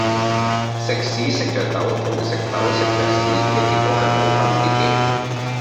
食屎食著豆同食豆食著屎嘅結果係冇分別嘅